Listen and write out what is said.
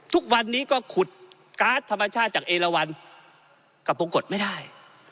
ทุกวันนี้ก็ขุดการ์ดธรรมชาติจากเอลวันกับพงกฎไม่ได้